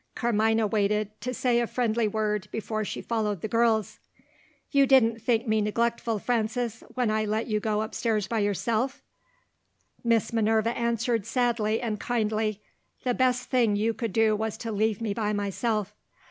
Carmina waited, to say a friendly word, before she followed the girls. "You didn't think me neglectful, Frances, when I let you go upstairs by yourself!" Miss Minerva answered sadly and kindly. "The best thing you could do was to leave me by myself."